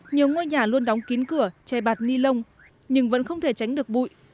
nhiều ngôi nhà luôn đóng kín cửa che bạt ni lông nhưng vẫn không thể tránh được bụi